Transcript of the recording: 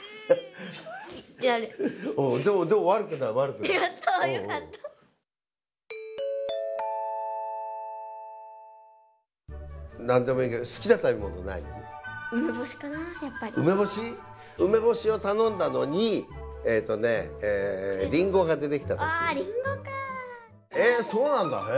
えっそうなんだ。